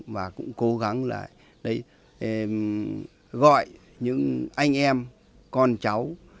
và cũng cố gắng lại gọi những anh em con cháu